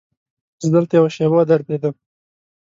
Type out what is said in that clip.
زه دلته یوه شېبه ودرېدم.